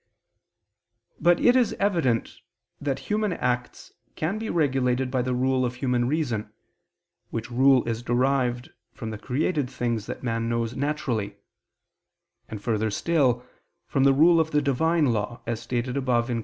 But it is evident that human acts can be regulated by the rule of human reason, which rule is derived from the created things that man knows naturally; and further still, from the rule of the Divine law, as stated above (Q.